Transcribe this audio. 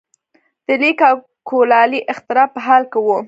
د لیک او کولالۍ اختراع په حال کې وو.